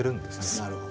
なるほど。